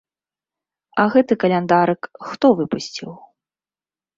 А гэты каляндарык хто выпусціў?